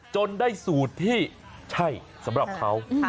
จนได้สูตรที่ใช่สำหรับเขา